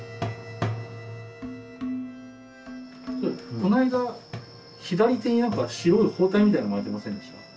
この間左手に何か白い包帯みたいなの巻いてませんでした？